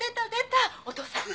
お父さん。